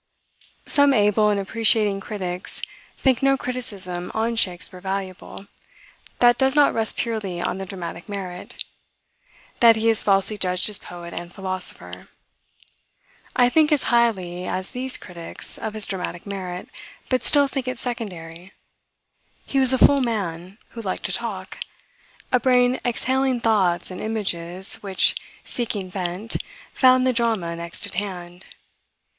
Some able and appreciating critics think no criticism on Shakspeare valuable, that does not rest purely on the dramatic merit; that he is falsely judged as poet and philosopher. I think as highly as these critics of his dramatic merit, but still think it secondary. He was a full man, who liked to talk; a brain exhaling thoughts and images, which, seeking vent, found the drama next at hand.